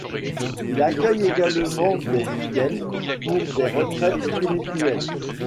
Il accueille également des fidèles pour des retraites spirituelles.